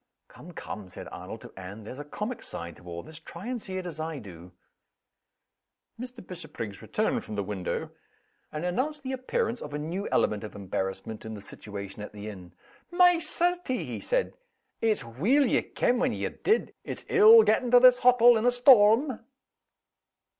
"Come! come!" said Arnold to Anne. "There's a comic side to all this. Try and see it as I do." Mr. Bishopriggs returned from the window, and announced the appearance of a new element of embarrassment in the situation at the inn. "My certie!" he said, "it's weel ye cam' when ye did. It's ill getting to this hottle in a storm."